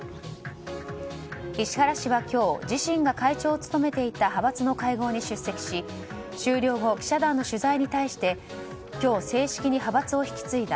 石原氏は今日自身が会長を務めていた派閥の会合に出席し終了後、記者団の取材に対して今日、正式に派閥を引き継いだ。